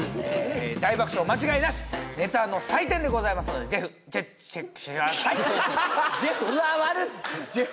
大爆笑間違いなしネタの祭典でございますのでじぇふじぇひチェックしてくださいじぇふ？